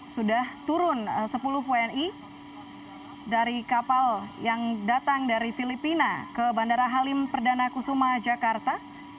sudah turun sepuluh wni dari kapal yang datang dari filipina ke bandara halim perdana kusuma jakarta